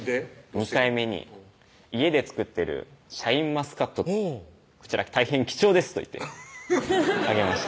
２回目に家で作ってるシャインマスカット「こちら大変貴重です」と言ってあげました